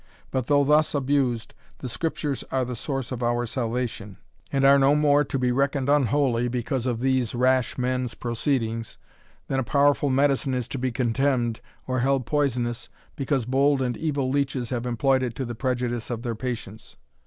But though thus abused, the Scriptures are the source of our salvation, and are no more to be reckoned unholy, because of these rash men's proceedings, than a powerful medicine is to be contemned, or held poisonous, because bold and evil leeches have employed it to the prejudice of their patients.